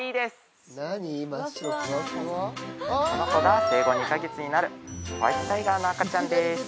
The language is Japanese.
この子が生後２か月になるホワイトタイガーの赤ちゃんです。